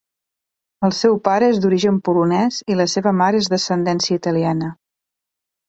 El seu pare és d'origen polonès i la seva mare és d'ascendència italiana.